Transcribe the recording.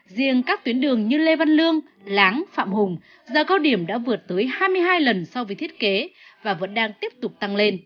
riêng các tuyến đường như lê văn lương láng phạm hùng giờ cao điểm đã vượt tới hai mươi hai lần so với thiết kế và vẫn đang tiếp tục tăng lên